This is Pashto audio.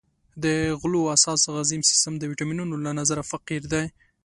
د غلو اساس غذایي سیستم د ویټامینونو له نظره فقیر دی.